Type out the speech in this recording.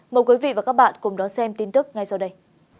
mời quý vị và các bạn cùng đón xem tin tức ngay sau đây